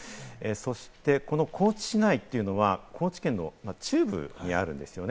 そしてこの高知市内というのは、高知県の中部にあるんですね。